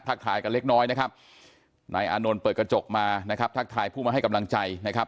ทายกันเล็กน้อยนะครับนายอานนท์เปิดกระจกมานะครับทักทายผู้มาให้กำลังใจนะครับ